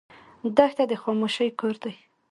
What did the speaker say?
دښته د خاموشۍ کور دی.